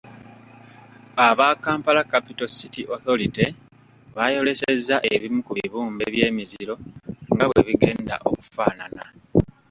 Aba Kampala Capital City Authority baayolesezza ebimu ku bibumbe by’emiziro nga bwe bigenda okufaanana.